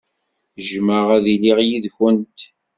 Jjmeɣ ad iliɣ yid-went.